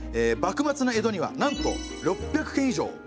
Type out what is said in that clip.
幕末の江戸にはなんと６００軒以上。